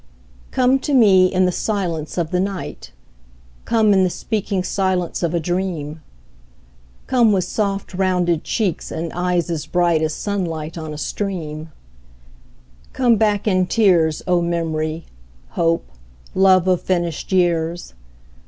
Come to me in the silence of the night; Come in the speaking silence of a dream; Come with soft rounded cheeks and eyes as bright As sunlight on a stream; Come back in tears, O memory, hope, love of finished years.